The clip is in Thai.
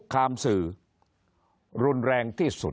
คามสื่อรุนแรงที่สุด